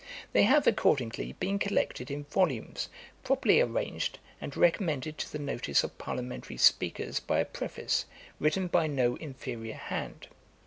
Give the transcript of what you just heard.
They have accordingly been collected in volumes, properly arranged, and recommended to the notice of parliamentary speakers by a preface, written by no inferior hand.